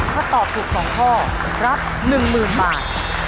ถ้าตอบถูกสองข้อรับหนึ่งหมื่นบาท